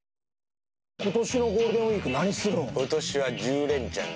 今年のゴールデンウィーク何するん？